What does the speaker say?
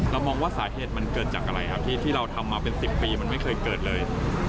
มองว่าสาเหตุมันเกิดจากอะไรครับที่เราทำมาเป็น๑๐ปีมันไม่เคยเกิดเลย